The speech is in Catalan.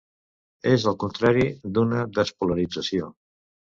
És el contrari d'una despolarització.